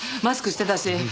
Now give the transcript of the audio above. マスクしてたし。